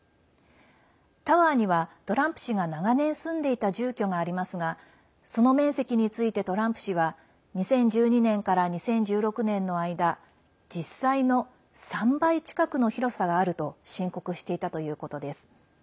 タワーには、トランプ氏が長年住んでいた住居がありますがその面積について、トランプ氏は２０１２年から２０１６年の間実際の３倍近くの広さがあると申告していたということです。